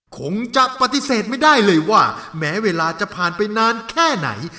คงจะปฏิเสธไม่ได้เลยว่าแม้เวลาจะผ่านไปนานแค่ไหน